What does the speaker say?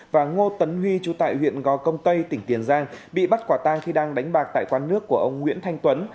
và ngô tấn huy chú tại huyện gò công tây tỉnh tiền giang bị bắt quả tang khi đang đánh bạc tại quán nước của ông nguyễn thanh tuấn